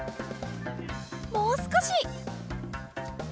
もうすこし！